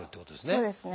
そうですね。